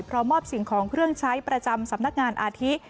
มอบสิ่งของเครื่องใช้ประจำสำนักงานอาทิ